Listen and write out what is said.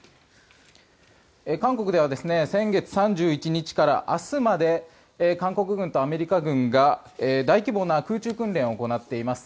韓国では先月３１日から明日まで韓国軍とアメリカ軍が大規模な空中訓練を行っています。